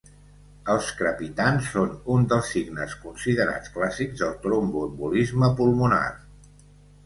Els crepitants són un dels signes considerats clàssics del tromboembolisme pulmonar.